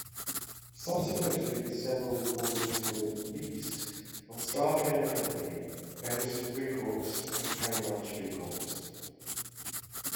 Subsequently, several recordings were leased from Star Piano Company, Emerson Records, and Paramount Records.